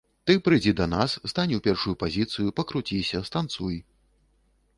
Ты прыйдзі да нас, стань у першую пазіцыю, пакруціся, станцуй.